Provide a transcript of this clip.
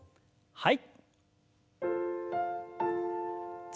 はい。